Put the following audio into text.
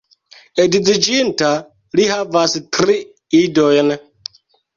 Edziĝinta, li havas tri idojn.